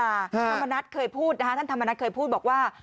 ถ้าเป็นไปแล้วท่านธรรมนัสลาออกบอกว่า